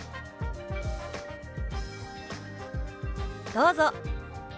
どうぞ！